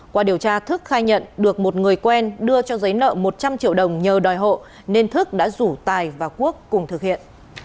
qua điều tra thức khai nhận được một người quen đưa cho giấy nợ một trăm linh triệu đồng nhờ đòi hộ nên thức đã rủ tài và quốc cùng thực hiện